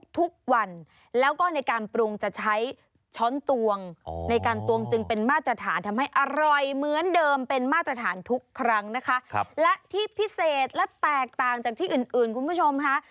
แตกต่างจากที่อื่นคุณผู้ชมค่ะ